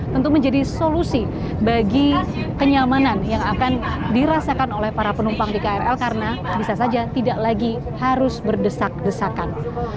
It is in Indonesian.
tentu menjadi solusi bagi kenyamanan yang akan dirasakan oleh para penumpang di krl karena bisa saja tidak lagi harus berdesak desakan